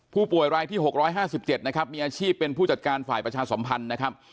ผู้ป่วยรายที่๖๕๗มีอาชีพเป็นผู้จัดการฝ่ายประชาสมพันธ์